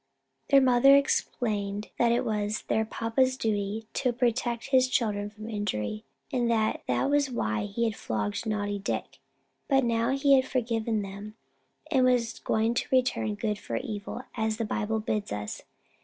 Their mother explained that it was papa's duty to protect his children from injury, and that that was why he had flogged naughty Dick; but now he had forgiven him and was going to return good for evil, as the Bible bids us.